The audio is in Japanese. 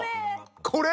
これ？